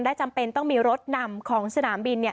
และจำเป็นต้องมีรถนำของสนามบิน